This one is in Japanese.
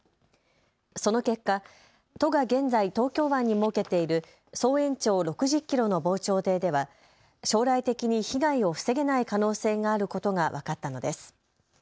その結果、都が現在、東京湾に設けている総延長６０キロの防潮堤では将来的に被害を防げない可能性があることが分かったのです。